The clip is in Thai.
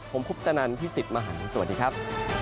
ผมคุปตนันพี่สิทธิ์มหันฯสวัสดีครับ